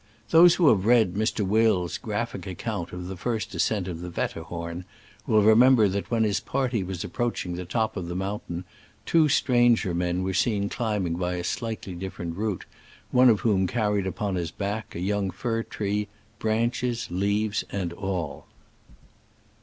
Those who have read Mr. Wills' graphic account of the first ascent of the Wet terhorn* will remember that when his CHRISTIAN ALMBR. party was approaching the top of the mountain two stranger men were seen climbing by a slightly different route, one of whom carried upon his back a young fir tree, branches, leaves and all.